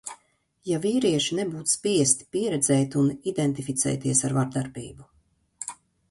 Ja vīrieši nebūtu spiesti pieredzēt un identificēties ar vardarbību.